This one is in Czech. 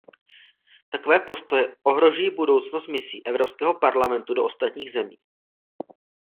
Takové postoje ohrožují budoucnost misí Evropského parlamentu do ostatních zemí.